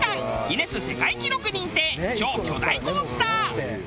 ギネス世界記録認定超巨大コースター。